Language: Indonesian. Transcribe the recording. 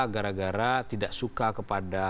gara gara tidak suka